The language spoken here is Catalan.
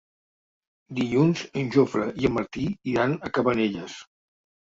Dilluns en Jofre i en Martí iran a Cabanelles.